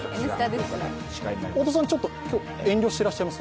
太田さん、今日ちょっと遠慮してらっしゃいます？